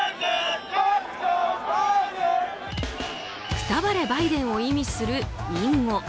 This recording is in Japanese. くたばれバイデンを意味する隠語。